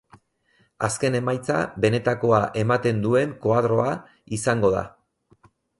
Azken emaitza benetakoa ematen duen koadroa izango da.